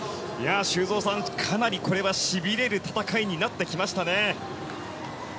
修造さん、かなりこれはしびれる戦いになってきましたね。